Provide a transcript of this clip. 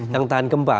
yang tahan gempa